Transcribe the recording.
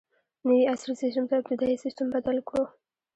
نوي عصري سیسټم ته ابتدايي سیسټم بدل کړو.